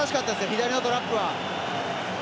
左のトラップは。